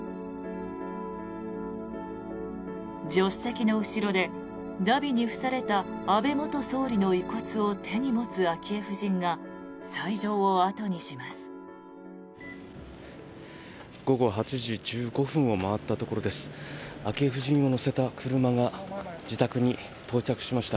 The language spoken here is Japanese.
助手席の後ろで荼毘に付された安倍元総理の遺骨を手に持つ昭恵夫人が斎場を後にします。